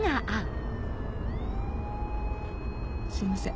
すいません。